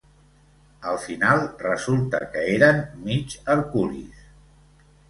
Al final, resulta que eren mig herculis.